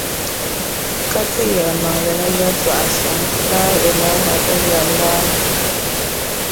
Ka ti yɛlimaŋli ni yɛltɔɣa suŋ, Laa’ilaaha illallahu.